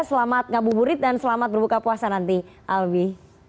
selamat ngabuburit dan selamat berbuka puasa nanti albi